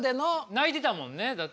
泣いてたもんねだって。